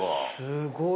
すごい。